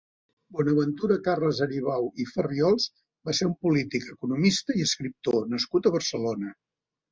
Bonaventura Carles Aribau i Farriols va ser un polític, economista i escriptor nascut a Barcelona.